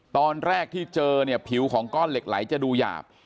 ตอนแรกที่เจอเนี่ยผิวของก้อนเหล็กไหลจะดูหยาบ